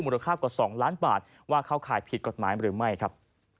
ค่ากว่า๒ล้านบาทว่าเข้าข่ายผิดกฎหมายหรือไม่ครับ